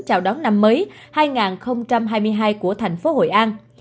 chào đón năm mới hai nghìn hai mươi hai của thành phố hội an